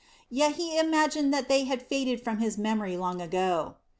Yet he imagined that they had faded from his memory long ago.